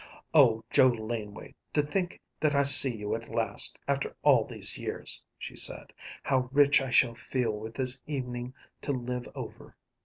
"Oh, Joe Laneway, to think that I see you at last, after all these years!" she said. "How rich I shall feel with this evening to live over!